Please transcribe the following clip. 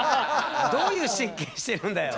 どういう神経してるんだよ。